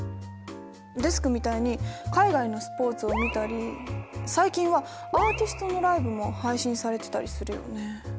デスクみたいに海外のスポーツを見たり最近はアーティストのライブも配信されてたりするよね。